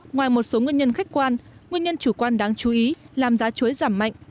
ngoài một số nguyên nhân khách quan nguyên nhân chủ quan đáng chú ý làm giá chuối giảm mạnh